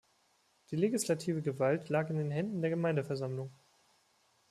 Die legislative Gewalt lag in den Händen der Gemeindeversammlung.